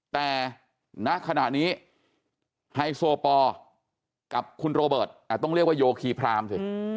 แต่ณขณะนี้ไฮโซปอลกับคุณโรเบิร์ตต้องเรียกว่าโยคีพรามสิ